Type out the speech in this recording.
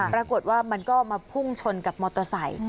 ปรากฏว่ามันก็มาพุ่งชนกับมอเตอร์ไซค์